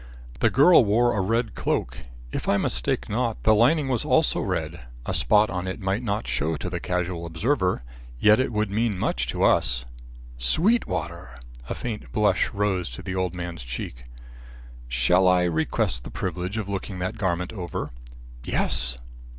"The girl wore a red cloak. If I mistake not, the lining was also red. A spot on it might not show to the casual observer. Yet it would mean much to us." "Sweetwater!" A faint blush rose to the old man's cheek. "Shall I request the privilege of looking that garment over?" "Yes."